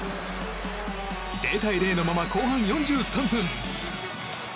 ０対０のまま後半４３分。